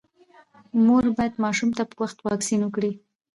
مور باید ماشوم ته په وخت واکسین وکړي۔